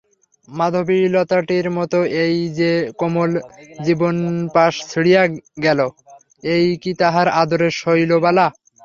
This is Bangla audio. মাধবীলতাটির মতো এই যে কোমল জীবনপাশ ছিঁড়িয়া গেল, এই কি তাহার আদরের শৈলবালা।